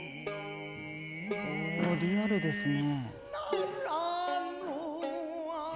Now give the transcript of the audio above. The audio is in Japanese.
あリアルですね。